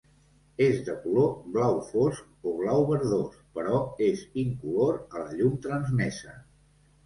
És de color blau fosc o blau verdós, però és incolor a la llum transmesa.